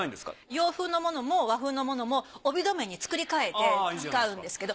洋風のものも和風のものも帯留めに作り変えて使うんですけど